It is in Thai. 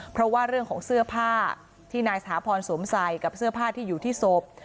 เพราะว่าเรื่องของเสื้อผ้าที่นายสถาพรสวมใส่กับเสื้อผ้าที่อยู่ที่ศพ